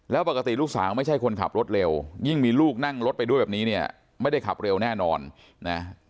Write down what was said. แล้วปกติลูกสาวไม่ใช่คนขับรถเร็วยิ่งมีลูกนั่งรถไปด้วยแบบนี้เนี่ยไม่ได้ขับเร็วแน่นอนนะ